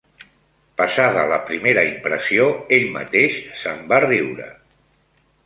Passada la primera impressió ell mateix se'n va riure